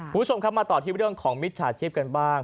คุณผู้ชมครับมาต่อที่เรื่องของมิจฉาชีพกันบ้าง